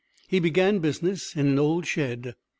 He began business in an old shed.